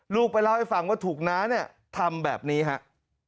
ไปเล่าให้ฟังว่าถูกน้าเนี่ยทำแบบนี้ครับ